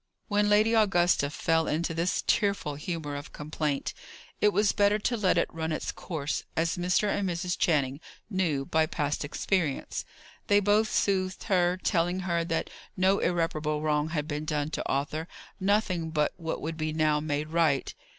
When Lady Augusta fell into this tearful humour of complaint, it was better to let it run its course; as Mr. and Mrs. Channing knew by past experience. They both soothed her; telling her that no irreparable wrong had been done to Arthur; nothing but what would be now made right.